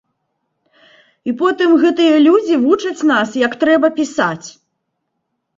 І потым гэтыя людзі вучаць нас, як трэба пісаць!